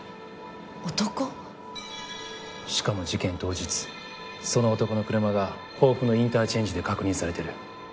しかも事件当日その男の車が甲府のインターチェンジで確認されてる。